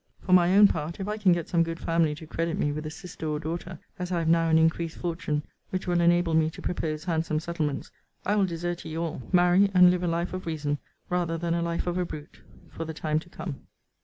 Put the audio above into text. For my own part, if I can get some good family to credit me with a sister or daughter, as I have now an increased fortune, which will enable me to propose handsome settlements, I will desert ye all; marry, and live a life of reason, rather than a life of a brute, for the time to come.